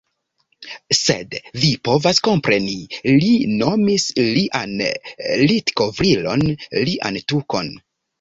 Sed vi povas kompreni. Li nomis lian litkovrilon... lian tukon.